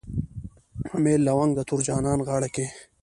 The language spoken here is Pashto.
امیل لونګ د تور جانان غاړه کي